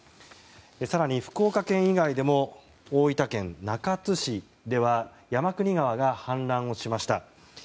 更に福岡県以外でも大分県中津市では山国川が氾濫をしました。